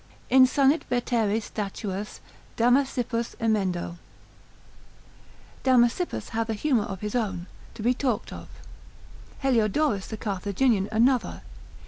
Insanit veteres statuas Damasippus emendo, Damasippus hath an humour of his own, to be talked of: Heliodorus the Carthaginian another.